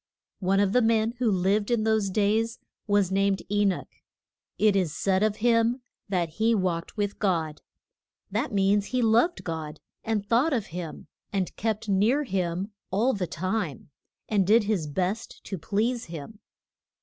One of the men who lived in those days was named E noch. It is said of him that he walked with God. That means that he loved God, and thought of him, and kept near him all the time, and did his best to please him.